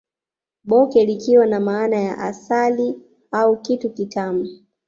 Bhoke likiwa na maana ya asali au kitu kitamu